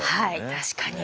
確かに。